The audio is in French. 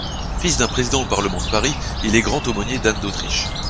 Fils d'un président au Parlement de Paris, il est Grand aumônier d'Anne d'Autriche.